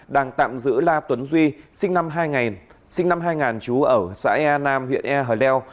đang tạm giữ la tuấn duy sinh năm hai nghìn chú ở xã e nam huyện e hờ leo